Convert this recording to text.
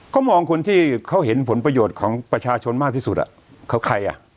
ก็มองคนที่เขาเห็นผลประโยชน์ของประชาชนมากที่สุดอ่ะเขาใครอ่ะ